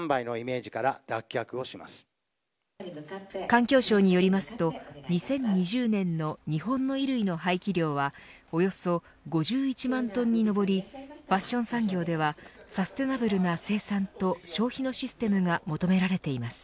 環境省によりますと２０２０年の日本の衣類の廃棄量はおよそ５１万トンに上りファッション産業ではサステナブルな生産と消費のシステムが求められています。